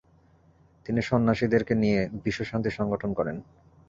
তিনি সন্যাসীদের কে নিয়ে বিশ্ব শান্তি সংগঠন করেন।